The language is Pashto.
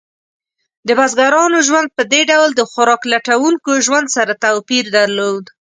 د بزګرانو ژوند په دې ډول د خوراک لټونکو ژوند سره توپیر درلود.